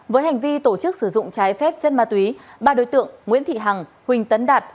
với hành vi tổ chức sử dụng trái phép chân ma túy ba đối tượng nguyễn thị hằng huỳnh tấn đạt